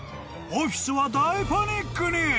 ［オフィスは大パニックに！］